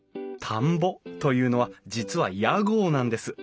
「田んぼ」というのは実は屋号なんです。